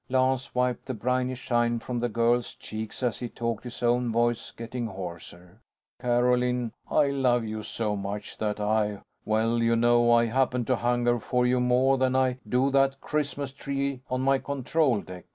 Lance wiped the briny shine from the girl's cheeks as he talked, his own voice getting hoarser. "Carolyn, I love you so much that I ... well, you know I happen to hunger for you more than I do that Christmas tree on my control deck.